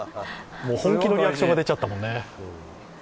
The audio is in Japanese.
本気のリアクションが出ちゃったもんね。